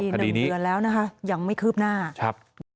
คดีหนึ่งเดือนแล้วนะฮะยังไม่คืบหน้า